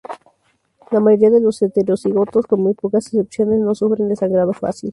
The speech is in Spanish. La mayoría de los heterocigotos, con muy pocas excepciones, no sufren de sangrado fácil.